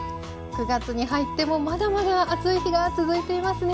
９月に入ってもまだまだ暑い日が続いていますね。